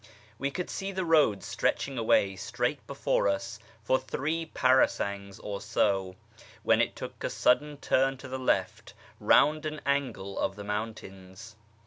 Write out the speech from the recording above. We could see the road stretching away straight before us for three parasangs or so, when it took a sudden turn to the left round an angle of the mountains.